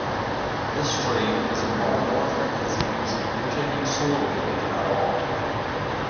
This strain is a monomorphic disease, mutating slowly if at all.